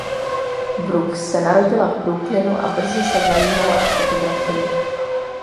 Brooks se narodila v Brooklynu a brzy se zajímala o fotografii.